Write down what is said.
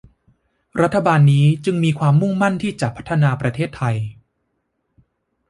รัฐบาลนี้จึงมีความมุ่งมั่นที่จะพัฒนาประเทศไทย